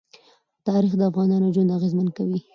تاریخ د افغانانو ژوند اغېزمن کوي.